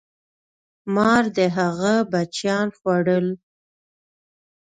مار د هغه بچیان خوړل.